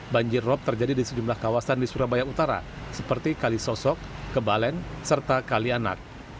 banjir rob terjadi di sejumlah kawasan di surabaya utara seperti kalisosok kebalen serta kalianak